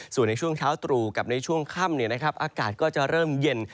ส่วนในช่วงเช้าตรู่กับในช่วงค่ำอากาศก็จะเริ่มเย็น